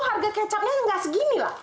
minggu lalu harga kecapnya nggak segini lah